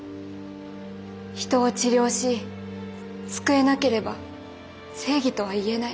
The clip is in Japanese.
人を治療し救えなければ正義とはいえない」。